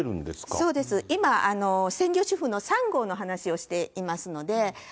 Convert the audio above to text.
そうです、今、専業主婦の３号の話をしていますので。